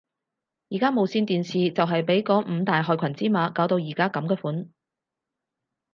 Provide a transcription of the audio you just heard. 而家無線電視就係被嗰五大害群之馬搞到而家噉嘅款